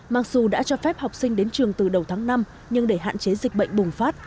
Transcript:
mặc dù đã cho phép học sinh đến trường từ đầu tháng năm nhưng để hạn chế dịch bệnh bùng phát